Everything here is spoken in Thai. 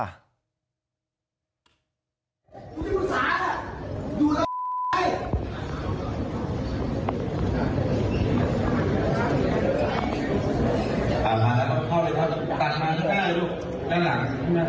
อานเตะกูคือเบยท่านพวกรุงเกี่ยง